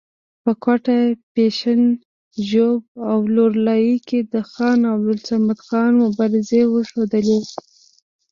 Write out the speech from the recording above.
په کوټه، پښین، ژوب او لور لایي کې د خان عبدالصمد خان مبارزې وښودلې.